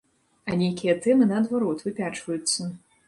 А нейкія тэмы, наадварот, выпячваюцца.